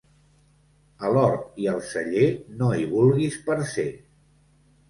A l'hort i al celler no hi vulguis parcer.